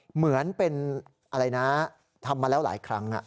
เหมือนเป็นอะไรนะทำมาแล้วหลายครั้ง